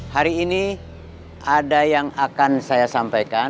hari ini ada yang akan saya sampaikan